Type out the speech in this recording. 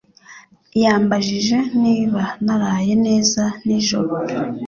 Yambajije niba naraye neza nijoro.